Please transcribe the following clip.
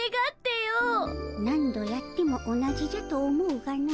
何度やっても同じじゃと思うがの。